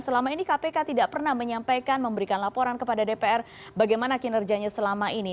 selama ini kpk tidak pernah menyampaikan memberikan laporan kepada dpr bagaimana kinerjanya selama ini